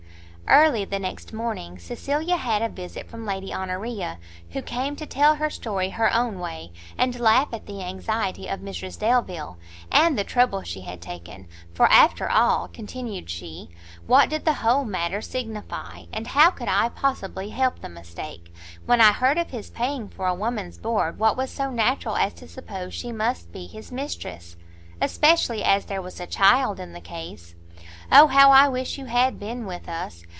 Early the next morning Cecilia had a visit from Lady Honoria, who came to tell her story her own way, and laugh at the anxiety of Mrs Delvile, and the trouble she had taken; "for, after all," continued she, "what did the whole matter signify? and how could I possibly help the mistake? when I heard of his paying for a woman's board, what was so natural as to suppose she must be his mistress? especially as there was a child in the case. O how I wish you had been with us!